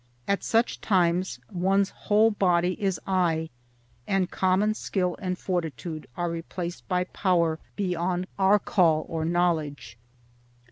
At such times one's whole body is eye, and common skill and fortitude are replaced by power beyond our call or knowledge.